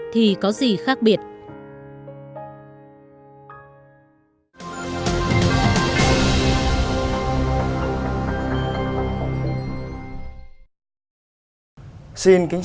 thì có gì khác biệt